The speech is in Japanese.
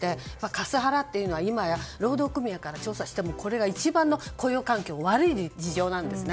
カスハラは今や労働組合が調査してもこれが一番の雇用環境が悪い事情なんですね。